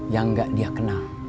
yang gak dia kenal